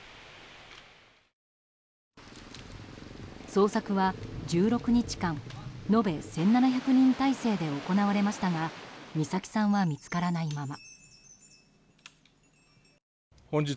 捜索は１６日間延べ１７００人態勢で行われましたが美咲さんは見つからないまま。